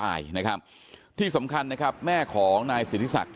อายุ๑๐ปีนะฮะเขาบอกว่าเขาก็เห็นถูกยิงนะครับ